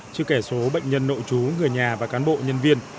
chứ kể số bệnh nhân nội chú người nhà và cán bộ nhân viên